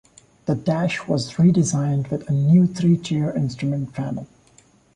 The dash was redesigned with a new three-tier instrument panel.